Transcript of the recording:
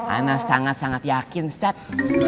anah sangat sangat yakin setetih